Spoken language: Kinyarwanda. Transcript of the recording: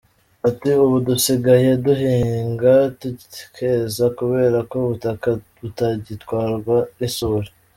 Ati “Ubu dusigaye duhinga tukeza, kubera ko ubutaka butagitwarwa n’isuri.